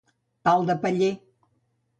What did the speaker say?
Pal de paller.